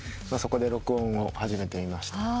そこで録音を始めてみました。